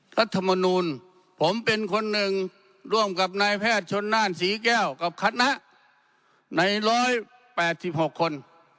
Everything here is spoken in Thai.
รัฐมนุนผมเป็นคนหนึ่งร่วมกับนายแพทย์ชนนานศรีแก้วกับคัณะในร้อยแปดสิบหกคน